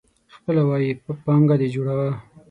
خپله ويي پانګه دي جوړوه.